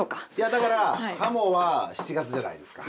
だから鱧は７月じゃないですか。